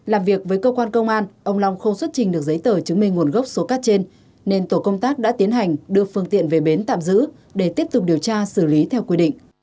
làm việc với cơ quan công an ông long không xuất trình được giấy tờ chứng minh nguồn gốc số cát trên nên tổ công tác đã tiến hành đưa phương tiện về bến tạm giữ để tiếp tục điều tra xử lý theo quy định